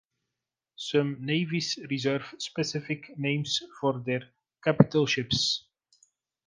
Some navies reserve specific names for their capital ships.